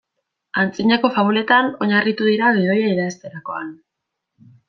Antzinako fabuletan oinarritu dira gidoia idazterakoan.